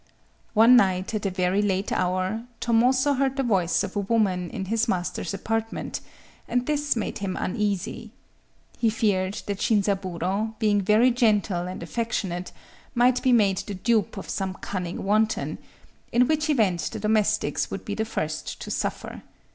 One night, at a very late hour, Tomozō heard the voice of a woman in his master's apartment; and this made him uneasy. He feared that Shinzaburō, being very gentle and affectionate, might be made the dupe of some cunning wanton,—in which event the domestics would be the first to suffer.